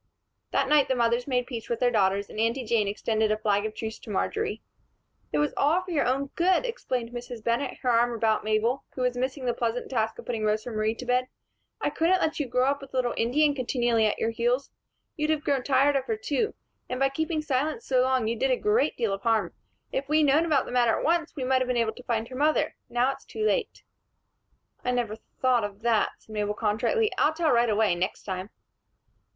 That night the mothers made peace with their daughters, and Aunty Jane extended a flag of truce to Marjory. "It was all for your own good," explained Mrs. Bennett, her arm about Mabel, who was missing the pleasant task of putting Rosa Marie to bed. "I couldn't let you grow up with a little Indian continually at your heels. You'd have grown tired of her, too. And by keeping silence so long, you did a great deal of harm. If we'd known about the matter at once, we might have been able to find her mother. Now it's too late." "I never thought of that," said Mabel, contritely. "I'll tell right away, next time."